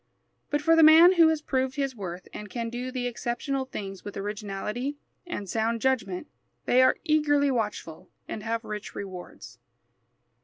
But for the man who has proved his worth and can do the exceptional things with originality and sound judgment, they are eagerly watchful and have rich rewards.